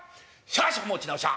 しゃ持ち直した。